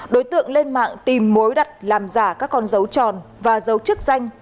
đối tượng lên mạng tìm mối đặt làm giả các con dấu tròn và dấu chức danh